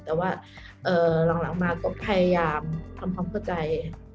แต่ว่าหลังมาก็พยายามทำความเข้าใจ